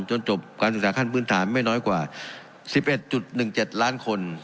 จบการศึกษาขั้นพื้นฐานไม่น้อยกว่า๑๑๗ล้านคน